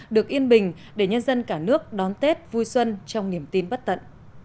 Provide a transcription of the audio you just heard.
được yên bình để nhân dân cả nước đón tết vui xuân trong niềm tin bất tận